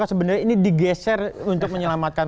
sebenarnya ini digeser untuk menyelamatkan